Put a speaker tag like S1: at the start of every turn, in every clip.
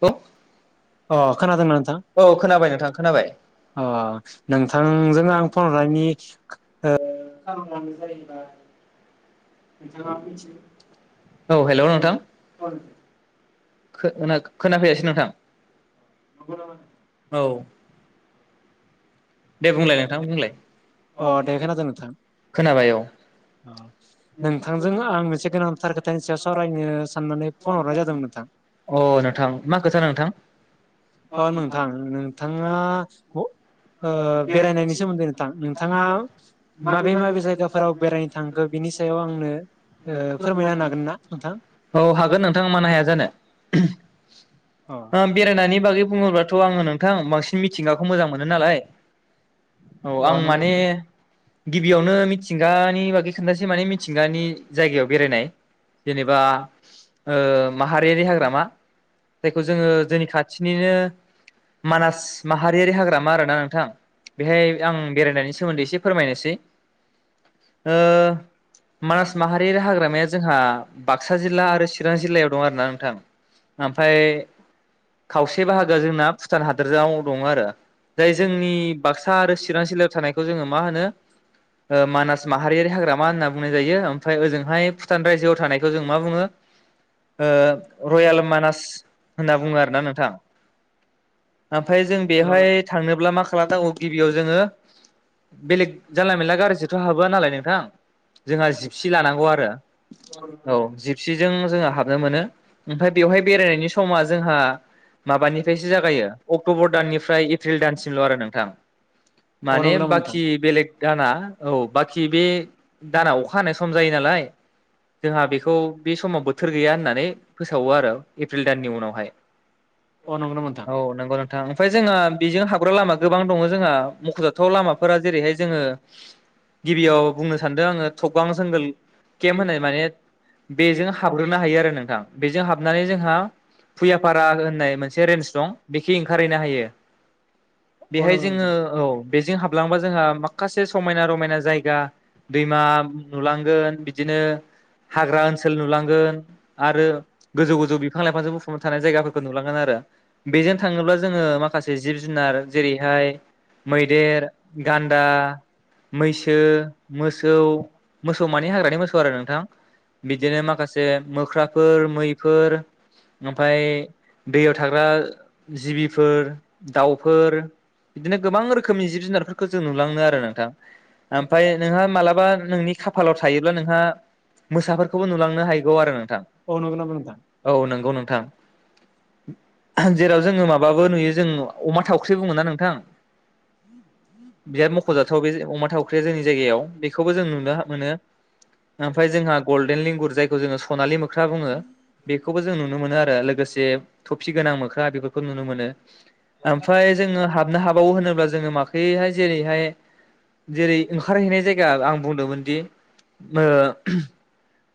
S1: औ
S2: अ खोनादों ना
S1: औ
S2: नोंथां?
S1: खोनाबाय नोंथां खोनाबाय
S2: अ' नोंथांजों आं फन हरनायनि ओ
S1: औ हेलौ नोंथां। खोना खो खोनाफैयासै नोंथां औ दे बुंलाय नोंथां बुंलाय?
S2: अ दे खोनादों नोंथां
S1: खोनाबाय औ।
S2: नोंथांजों आं मोनसे गोनांथार खोथानि सायाव सावरायनो साननानै फन हरनाय जादोंमोन नोंथां।
S1: अ नोंथां मा खोथा नोंथां
S2: अ नोंथां नोंथाङा अ' ओ बेरायनायनि सोमोन्दै नोंथां। थाङा माबे माबे जायगाफोराव बेरायनो थांखो बिनि सायाव आंनो ओ फोरमायना होनो हागोन ना
S1: औ हागोन नोंथाङा मानो हाया जानो।
S2: नोंथां अ
S1: ओ बेरायनायनि बागै बुङोब्लाथ' आङो नोंथां बांसिन मिथिंगाखौ मोजां मोनो नालाय औ आं
S2: अ नंगौ
S1: माने गिबियावनो मिथिंगानि बागै खोन्थासि सै माने मिथिंगानि जायगायाव बेरायनाय जेनेबा ओ माहारियारि हाग्रामा जायखौ जोङो जोंनि खाथिनिनो मानास माहारियारि हाग्रामा आरोना नोंथां। बेहाय आं बेरायनायनि सोमोन्दै एसे फोरमायनोसै। ओ मानास माहारियारि हाग्रामाया जोंहा बाक्सा जिल्ला आरो चिरां जिल्लायाव दं आरोना नोंथां। ओमफाय खावसे बाहागोआ जोंना भुटान हादोराव दङ आरो जाय जोंनि बाक्सा आरो चिरां जिल्लायाव थानायखौ जोङो मा होनो मानास माहारियारि हाग्रामा होनना बुंनाय जायो। ओमफ्राय ओजोंहाय भुटान रायजोआव थानायखौ जों मा बुङो ओ रयल मानास होनना बुङो आरोना नोंथां। ओमफ्राय जों बेवहाय थांनोब्ला मा खालामनांगौ गिबियाव जोङो बेलेग जानला मेनला गारिजोंथ' हाबहोआ नालाय नोंथां? जोंहा जिपसि लानांगौ आरो औ जिपसिजों जोङो हाब नो मोनो। ओमफ्राय बेवहाय बेरायनायनि समा जोंहा माबानिफ्रायसो जागायो अक्ट'बर दाननिफ्राय एप्रिल दानसिमल' आरो नोंथां
S2: अ
S1: माने
S2: नंगौ नामा नोंथां
S1: बाखि बेलेग दाना औ बाखि बे दाना अखा हानाय सम जायो। नालाय जोंहा बेखौ बे समाव बोथोर गैया होननानै फो सावो आरो एप्रिल दाननि उनावहाय।
S2: अ नंगौ नामा
S1: औ
S2: नोंथां
S1: नंगौ नोंथां ओमफ्राय जोंहा बेजों हाबग्रा लामा गोबां दङ जोंहा मख'जाथाव लामाफोरा जेरैहाय जोङो गिबियाव बुंनो आङो थबगां जोंगोल केम्प होननाय माने बेजों हाबग्रोनो हायो आरो नोंथां। बेजों हाबनानै जोंहा फुयाफारा होननाय मोनसे रेन्स दं बेखि ओंखारहैनो हायो। बेहाय जोङो औ बेजों हाबलांबा जोंहा माखासे समायना रमायना जायगा दैमा नुलांगोन बिदिनो हाग्रा ओनसोल नुलांगोन आरो गोजौ गोजौ बिफां लाइफांजों बुफुंनो थानाय जायगाफोरखौ नुलांगोन आरो बेजों थाङोब्ला जोङो माखासे जिब जुनार जेरैहाय मैदेर, गान्दा, मैसो मोसौ मोसौ मानि हाग्रानि मोसौ आरो नोंथां बिदिनो माखासे मोख्राफोर मैफोर ओमफफ्राय दैयाव थाग्रा जिबिफोर दाउफोर बिदिनो गोबां रोखोमनि जिब जुनारफोरखौ जों नुलांनो आरो नोंथां। ओमफ्राय नोंहा मालाबा नोंनि खाफालाव थायोब्ला नोंहा मोसाफोरखौबो नुलांनो हायगौ आरो नोंथां औ नंगौ नोंथां। जेराव जोङो माबाबो नुयो जों अमा थावख्रि बुङो नोंथां? बिराद मख'जाथाव बे अमा थावख्रिया जोंनि जायगायाव बेखौबो जों नुनो मोनो ओमफ्राय जोंसा गलदेन लें गुर जोङो जायखौ सनालि मो ख्रा बुङो बेखौबो जों नुनो मोनो आरो। ओ लोगोसे थफि गोनां मोख्रा बेफोरखौ नुनो मोनो। ओमफ्राय जोङो हाबनो हाबावो होनोब्ला जोङो माखैहाय जेरैहाय जेरै ओंखार हैनाय जायगा आं बुंदोंमोनदि ओ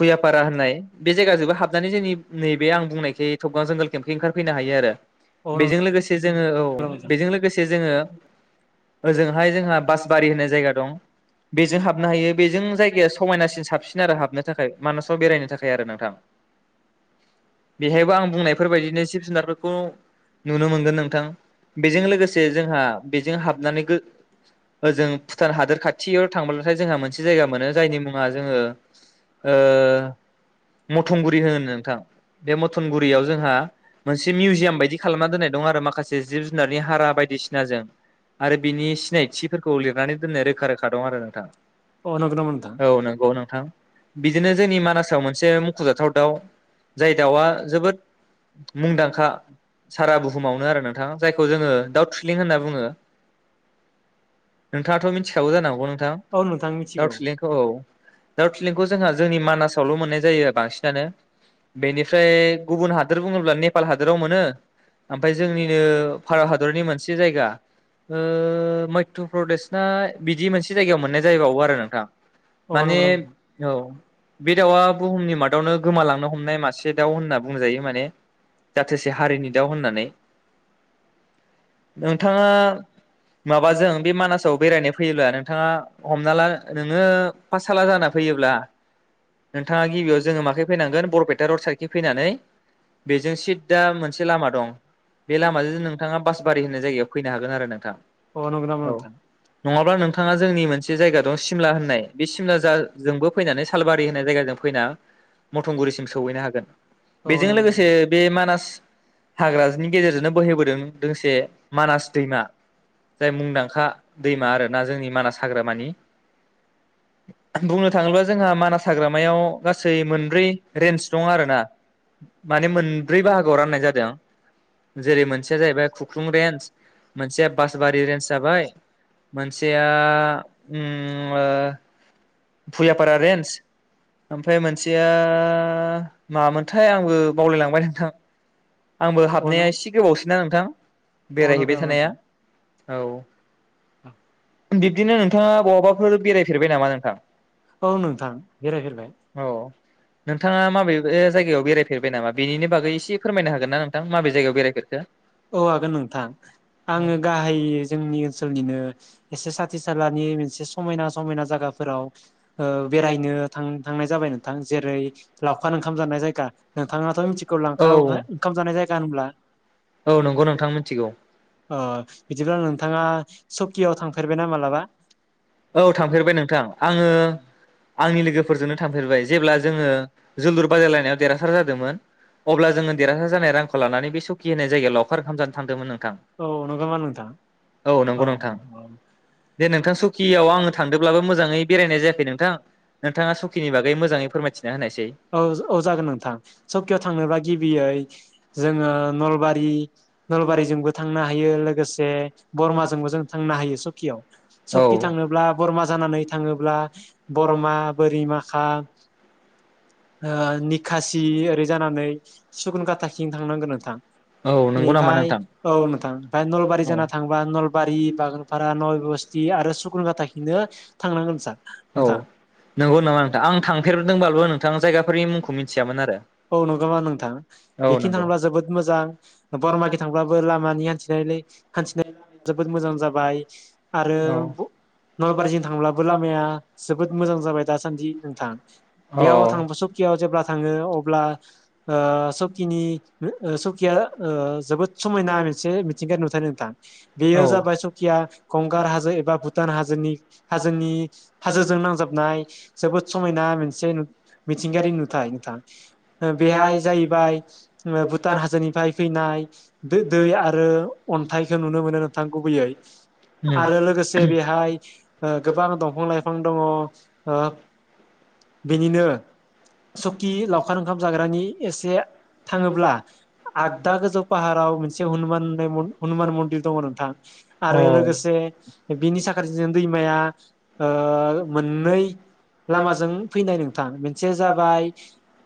S1: फुया फारा होननाय बे जायगाजोंबो हाबननै जोंनि बे आं बुंनायखै थबगां जोंगोल केम्पखौ ओंखारफैनो हायो आरो। बेजों लोगोसे जोंङो औ
S2: नंगौ नामा
S1: बेजों लोगोसे
S2: नोंथां
S1: जोंङो ओजोंहाय जोंहा बासबारि होननाय जायगा दं। बेजों हाबनो हायो बेजों जायगाया समायनासिन साबसिन आरो हाबनो थाखाय मानासाव बेरायनो थाखाय आरो नोंथां बेहायबो आं बुंनायफोरबायदिनो जुनारफोरखौ नुनो मोनगोन नोंथां बेजों लोगोसे जोंहा बेजों हाबनानै ओ जों भुटान हादोर खाथि खाथियाव थांब्लाथाय जोंहा मोनसे जायगा मोनो जायनि मुङा जोंङो ओ मथंगुरि होनो नोंथां। बे मथनगुरियाव जोंहा मोनसे मिउजियाम बायदि खालामना दोननाय दं आरो माखासे जिब जुनारनि हारा बायदिसिनाजों आरो बिनि सिनायथिफोरखौ लिरनानै दोननाय रोखा रोखा आरो नोंथां औ नंगौ नोंथां बिदिनो जोंनि मानासाव मोनसे मुख'जाथाव दाउ जाय दाउआ जोबोद मुंदांखा सारा बुहुमावनो आरो नोंथाङा जायखौ जोंङो दाउ थ्रिलिं होनना बुंङो। नोंथाङाथ मिथिखागौ जानांगौ थां
S2: औ नंगौ नामा नोंथां औ नंगौ नामा नोंथां औ नोंथां
S1: दाउ
S2: मिथिगौ
S1: थलेंखौ औ दाउ थिलेंखौ जोंहा जोंनि मानासावल मोननाय जायो बांसिनानो। बेनिफ्राय गुबुन हादोर बुंङोब्ला नेपाल हादोराव मोनो ओमफ्राय जोंनिनो भारत हादरनि मोनसे जायगा मध्य प्रदेशना बिदि मोनसे जायगायाव मोनना जायैबावो आरो नोंथां
S2: औ नंगौ
S1: माने
S2: नामा
S1: औ [unintelligible] बे दाउआ बुहुमनि मादावनो गोमालांनो हमनाय मासे दाउ होनना बुंजायो माने। जाथेसे हारिनि दाउ होननानै। नोंथांङा माबाजों बे
S2: नोंथां
S1: मानासाव बेरायनो फैयोब्ला नों थाङा हमना ला नोंङो पाटसाला जाना फैब्ला नोंथाङा गिबियाव जोंङो माखै फैनांगोन बरपेटा रड साइडखै फैनानै बेजों सिददा मोनसे लामा दं बे लामाजों नोंथाङा बास जायगायाव फैनो हागोन आरो नोंथां
S2: अ नंगौ नामा
S1: औ
S2: नोंथां
S1: नंङाब्ला नोंथा थांङा जोंनि मोनसे जायगा दं सिमला होननाय बे सिमला जा जोंबो फैनानै सालबारि होननाय जायगा जों फैनानै [inaudible] मथंगुरिसिम सहैनो हागोन
S2: औ
S1: बेजों
S2: नंगौ अ नंगौ
S1: लोगोसे बे मानास हाग्रानि गेजेरजोंनो बोहैबोदों दोंसे मानास दैमा जाय मुंदांखा दैमा आरोना जोंनि मानास हाग्रामानि बुंनो थांङोब्ला जोंहा मानास हाग्रामायाव गासै मोनब्रै रेन्ज दं आरो ना माने मोनब्रै बाहागोआव राननाय जादों जेरै मोनसेया जाहैबाय खुख्लुं रेन्ज मोनसेया बासबारि रेन्ज जाबाय मोनसे आ उम ओ भुयापारा रेन्ज ओमफ्राय मोनसेया मामोनथाय आंबो बावलायलांबाय नोंथां
S2: औ
S1: आंबो
S2: नंगौ
S1: हाबनाया एसे गोबावसैना नोंथां बेरायहैबाय
S2: नामा
S1: थानाया।
S2: नोंथां
S1: औ बिब्दिनो नोंथाङा बहाबाफोर बेरायफेरबाय नामा नोंथां?
S2: औ नोंथां बेरायफेरबाय
S1: औ नोंथाङा माबे जायगायाव बेरायफेरबाय नामा? बेनि बागै एसे फोरमायनो हागोन ना नोंथां माबे जायगायाव बेरायफेरखो?
S2: औ हागोन नोंथां आङो गाहाय जोंनि ओनसोल बिदिनो एसे साथि सलानि मोनसे समायना समायना जागाफोराव ओ बेरायनो थां-थांनाय जाबाय नोंथां। जेरै लावखार ओंखाम जानाय जायगा नोंथाङाथ' मिथिगौ लांखा
S1: औ
S2: ओंखाम जानाय जायगा होनब्ला?
S1: औ नंगौ नोंथां मिथिगौ
S2: अ बिदिब्ला नोंथाङा सकियाव थांफेरबायना मालाबा?
S1: औ थांफेरबाय नोंथां आङो आंनि लोगोफोरजोंनो थांफेरबाय जेब्ला जोङो जोलुर बादायलायनायाव देरहासार जादोंमोन अब्ला जोङो देरहासार जानाय रां खौ लानानै बे सखि होनाय जायगायाव लावखार ओामजानो थांदोंमोन नों
S2: औ नोंगौ मा नोंथां औ
S1: सकि आव आङो थांदोंब्लाबो मोजाङै बेरायनाय जायाखै नोंथां। नोंथाङा सुखिनि बागै मोजाङै फोरमायथि
S2: औ औ जागोन नोंथां सकियाव थांनोब्ला गिबियै जोङो नलबारि नलबारिजोंबो थांनो हायो लोगोसे बरमाजोंबो जों थांनो हायो सकियाव स
S1: औ
S2: सखि थांनोब्ला बरमा जानानै थाङोब्ला बरमा बोरि माखा ओ निखासि ओरै जानानै सुकुनकाताखं थांनांगोन नोंथां।
S1: औ नंगौ नामा
S2: बेनिफ्राय
S1: नोंथां?
S2: औ नोंथां ओमफ्राय नलबारि जाना थांबा नलबारि बागानफारा नय बस्थि आरो सुकुनकाताखंनो थांनांगोन नों सार
S1: औ
S2: नोंथां।
S1: नंगौ नामा नोंथां आं थांफेरदोंबाबो नोंथां जायगाफोरनि मुंखौ मिन्थियामोन आरो
S2: औ नंगौमा नोंथां
S1: औ
S2: बेखिनिनो
S1: नंगौ।
S2: थांब्ला जोबोद मोजां बरमकि थांब्लाबो लामानि हान्थिनायलै हान्थिनाय जोबोद मोजां जाबाय आरो नलबारिजों थांब्लाबो लामाया जोबोद मोजां जाबाय दासान्दि नोंथां
S1: औ
S2: बेयाव थां सकियाव जेब्ला थाङो अ ब्ला ओ सकिनि ओ सकिया जोबोद समायना मोनसे मिथिंगायारि नुथाय नोंथां। बेयो जाबाय सकिया गंगार हाजो
S1: औ
S2: एबा भुटान हाजोनि हाजोनि हाजोजों नांजाबनाय जोबोद समायना मोनसे मिथिंगायारि नुथाय नोंथां। ओ बेहाय जाहैबाय ओ भुटान हाजोनिफ्राय फैनाय दो-दै आरो अन्थाइखौ नुनो मोनो नोंथां गुबैयै आरो लोगोसे बेहाय ओ गोबां दंफां लाइफां दङ ओ बेनिनो सकि लाव जाग्रानि एसे थाङोब्ला आगदा गोजौ फाहाराव मोनसे हुमान होननाय हनुमान मन्दिर दङ नोंथां आरो लोगोसे बिनि साखाजों दैमाया ओ मोननै लामाजों फैनाय नोंथां मोनसे जाबाय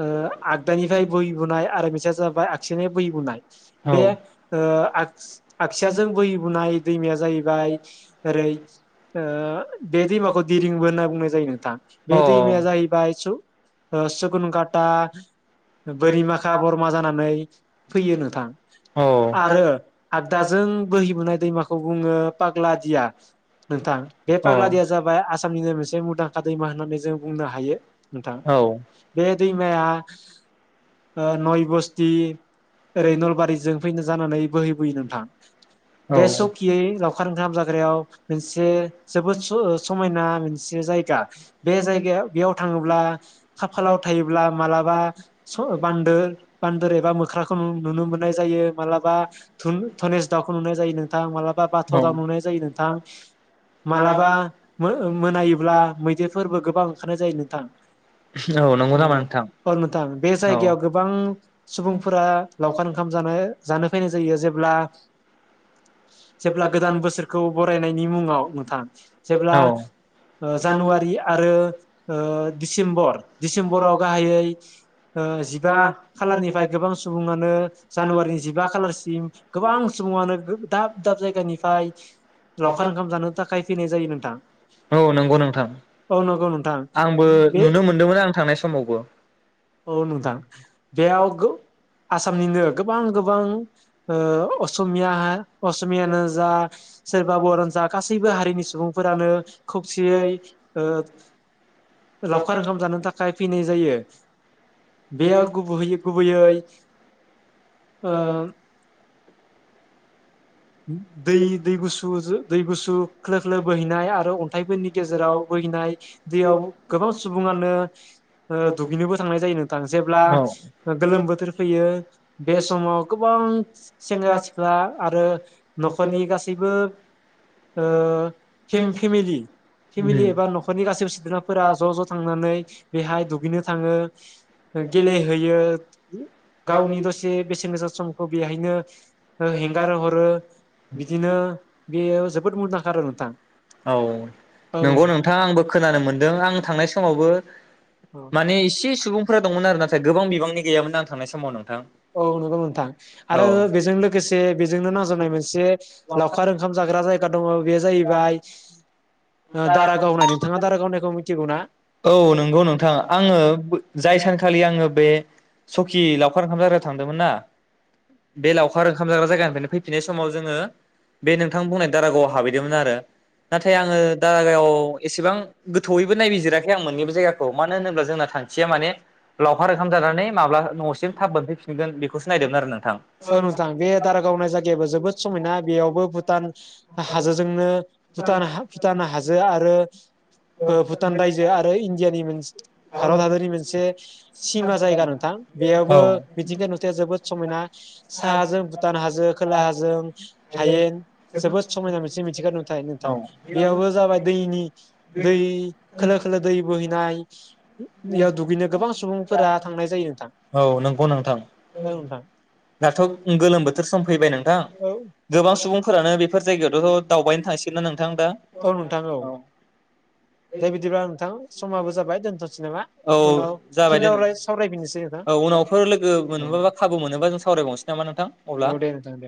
S2: ओ आगदानिफ्राय बोहैबोनाय आरो मोनसेया जाबाय आगसिनि बोहैबोनाय। बे ओ आगस आगसियाजों बोहैबोनाय दैमाया जाहैबाय ओरै ओ बे दैमाखौ दिरिंबो होनना बुंनाय जायो नोंथां। बे दैमाया जाहैबाय सु ओ गुनगाट [unintelligible] बोरिमाखा बरमा जानानै फैयो नोंथां आरो आगदाजों बोहैबोनाय दैमाखौ बुङो पाग्लादिया नोंथां। बे पाग्लादिया जाबाय आसामनिनो मोनसे मुंदांखा दैमा होननानै जों बुंनो हायो नोंथां। बे दैमाया नय बस्थि ओरै नलबारिजों फैनो जानानै बोहैबोयो नोंथां। बे सकियै लावखार ओंखाम जाग्रायाव मोनसे जोबोद स-समायना मोनसे जायगा। बे जायगायाव बेयाव थाङोब्ला खाफालाव थायोब्ला मालाबा स बान्दोर बान्दोर एबा मोख्राखौ नु- नुनो मोननाय जायो। मालाबा धुन धनेस दाउखौ नुनाय जायो नोंथां मालाबा बाथ' दाउ नुनाय जायो नोंथां। मालाबा मो ओ मोनायोब्ला मैदेरफोरबो गोबां ओंखारनाय जायो नोंथां।
S1: नोंथां नङाब्ला लामायाव मोननाय जायो नोंथां औ नंगौ नामा नोंथां
S2: औ अ नोंथां। बे जायगायाव गोबां सुबुंफोरा लावखार ओंखाम जानो जानो फायनाय जायो। जेब्ला जेब्ला गोदान बोसोरखौ बरायनायनि मुङाव नोंथां। जेब्ला
S1: औ
S2: ओ जानुवारि आरो ओ दिसेम्बर दिसेम्बराव गाहायै ओ जिबा खालारनिफ्राय गोबां सुबुङानो जानुवारिनि जिबा खालारसिम गोबां सुबुङानो गो दाब दाब जायगानिफ्राय लावखार ओंखाम जानो थाखाय फैनाय जायो नोंथां।
S1: औ नंगौ नोंथां
S2: औ नंगौ नोंथां।
S1: आंबो
S2: बे
S1: नुनो मोनदोंमोन आं थांनाय समावबो
S2: औ नोंथां। बेयाव गो आसामनिनो गोबां गोबां ओ असमिया अस मियानो जा सोरबा बर'आनो जा गासैबो हारिनि सुबुंफोरानो खौसेयै ओ लावखार ओंखाम जानो था थाखाय फैनाय जायो बेयाव गुबैयै गुबैयै ओ दै दै गुसु दै गुसु खोलो खोलो बोहैनाय आरो अन्थाइफोरनि गेजेराव बोहैनाय दैयाव गोबां सुबुङानो ओ दुगैनोबो थांनाय जायो नोंथां जेब्ला गोलोम बोथोर फैयो बे समाव गोबां सेंग्रा सिख्ला आरो न'खरनि गासैबो ओ फेम फेमिलि। फेमिलि एबा न'खरनि गासैबो सोद्राफोरा ज' ज' थांनानै बेहाय दुगैनो थाङो, गेलेहैयो, गावनि दसे बेसेन गोसा समखौ बेहायनो हेंगार हरो। बिदिनो बेयो जोबोद मुंदांखा आरो नोंथां
S1: औ
S2: औ
S1: नंगौ
S2: औ
S1: नोंथां आंबो खोनानो मोनदों आं थांनाय स समावबो
S2: औ। औ
S1: माने एसे सुबुंफोरा दंमोन आरो नाथाय गोबां बिबांनि गैयामोन आं थांनाय समाव नोंथां
S2: नंगौ नोंथां
S1: औ
S2: आरो बेजों लोगोसे बेजोंनो नांजाबनाय मोनसे लावखार ओंखाम जाग्रा जायगा दङ' बे जाहैबाय दारागाव होननाय नोंथाङा दारागाव होननायखौ मिथिगौ ना?
S1: औ नंगौ नों आङो जाय सानखालि आङो बे सकि लावखार ओंखाम जानो थांदोंमोन ना। बे लावखार ओंखाम जाग्रा जायगानिफ्रायनो फैफिननाय समाव जोङो बे नोंथां बुंनायनि दारागावआव हाबैदोंमोन आरो। नाथाय आङो दारागायाव एसेबां गोथौयैबो नायबिजिराख आं मोननैबो बे जायगाखौ मानो होनोब्ला जोंना थांखिया माने लावखार ओंखाम जानानै माब्ला न'सिम थाब मोनफैफिनगोन बेखौसो नायदोंमोन आरो नों
S2: औ नोंथां बे दारागावनाय जायगायाबो जोबोद समायना बेयावबो भुटान हाजोजोंनो भुटान हा भुटान हाजो आरो ओ भुटान रायजो आरो इण्डियानि मोनस भारत हादरनि मोनसे सिमा जायगा नोंथां बेयावबो मिथिंगाया नुथाया जोबोद समायना। साहाजों भुटान हाजो खोलाहाजों हायेन जोबोद समायना मोनसे मिथिंगा नुथाय
S1: औ
S2: नोंथां बेयावबो जाबाय दैनि दै खोलो खोलो दै बोहैनाय। उम दैयाव दुगैनो गोबां सुबुंफोरा थांनाय जायो नोंथां
S1: औ नंगौ नोंथां
S2: औ नोंथां।
S1: दाथ' गोलोम बोथोर सम फैबाय। नोंथां
S2: औ
S1: गोबां सुबुंफोरानो बे फोर जायगायावथ' दावबायनो थांसिगोनना नों
S2: औ नोंथां औ दे बिदिब्ला नोंथां समाबो जाबाय दोनथ'।
S1: औ जाबाय दे
S2: सावरायफिननोसै नोंथां
S1: औ उनावफोर लोगो मोनबा बा खाबु मोनोबा जों सावरायबावनोसै नामा नोंथां अब्ला
S2: औ दे नोंथां दे